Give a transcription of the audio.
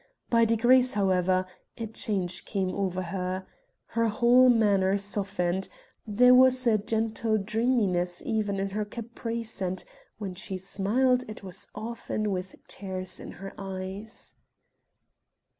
By degrees, however, a change came over her; her whole manner softened, there was a gentle dreaminess even in her caprice and when she smiled it was often with tears in her eyes.